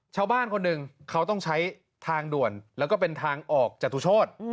ชาวบ้านคนหนึ่งเขาต้องใช้ทางด่วนแล้วก็เป็นทางออกจตุโชธ